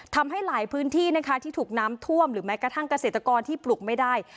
ทำให้หลายพื้นที่นะคะที่ถูกน้ำท่วมหรือแม้กระทั่งเกษตรกรที่ปลูกไม่ได้